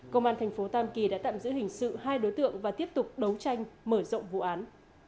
công an thành phố tam kỳ đã tạm giữ hình sự hai đối tượng và tiếp tục đấu tranh mở rộng vụ án